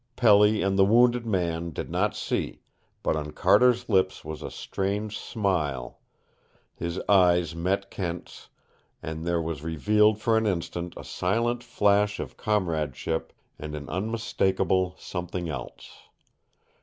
Pelly and the wounded man did not see, but on Carter's lips was a strange smile. His eyes met Kent's, and there was revealed for an instant a silent flash of comradeship and an unmistakable something else.